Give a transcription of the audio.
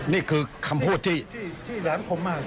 นี่คือคำพูดที่แหลมคมมาก